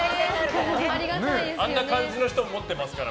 あんな感じの人も持ってますから。